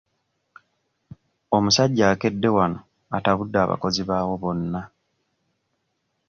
Omusajja akedde wano atabudde abakozi baawo bonna.